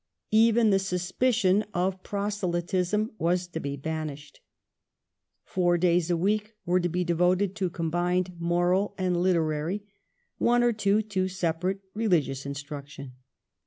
" Even the suspicion of proselytism " was to be " banished ". Four days a week were to be devoted to combined moral and literary, one or two to separate religious instruction.